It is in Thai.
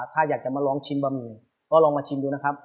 ถ้าอยากจะมาลองชิมบะหมี่ก็ลองมาชิมดูนะครับ